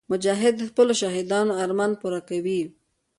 مجاهد د خپلو شهیدانو ارمان پوره کوي.